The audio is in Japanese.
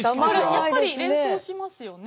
やっぱり連想しますよね。